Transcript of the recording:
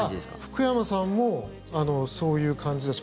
福山さんもそういう感じだし